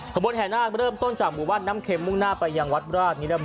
ข้อบนแห่นนาครับเริ่มต้นจากบวชน้ำเข็มมุ่งหน้าไปอย่างวัดราชนิรมิตร